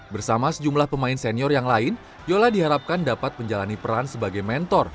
bersama sejumlah pemain senior yang lain yola diharapkan dapat menjalani peran sebagai mentor